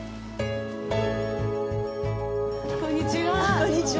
こんにちは。